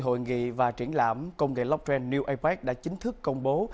hội nghị và triển lãm công nghệ lọc trend new apec đã chính thức công bố